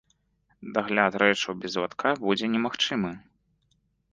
Дагляд рэчаў без латка будзе немагчымы.